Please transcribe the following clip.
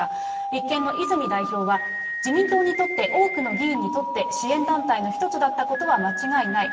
立憲の泉代表は、自民党にとって多くの議員にとって、支援団体の一つだったことは間違いない。